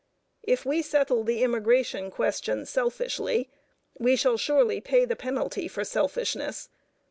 If we settle the immigration question selfishly, we shall surely pay the penalty for selfishness.